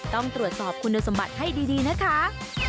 ต้องตรวจสอบคุณสมบัติให้ดีนะคะ